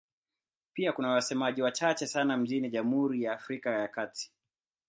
Pia kuna wasemaji wachache sana nchini Jamhuri ya Afrika ya Kati.